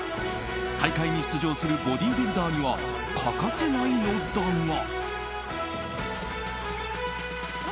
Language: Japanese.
大会に出場するボディービルダーには欠かせないのだが。